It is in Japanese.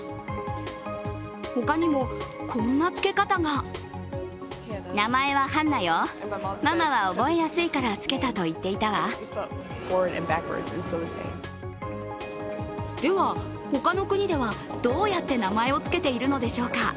ほかにも、こんなつけ方がでは、他の国ではどうやって名前を付けているのでしょうか。